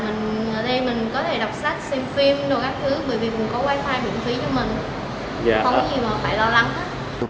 mình ở đây mình có thể đọc sách xem phim đồ các thứ bởi vì mình có wifi bệnh phí cho mình